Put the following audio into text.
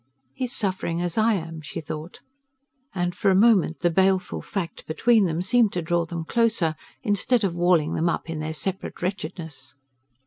"He's suffering as I am," she thought; and for a moment the baleful fact between them seemed to draw them closer instead of walling them up in their separate wretchedness.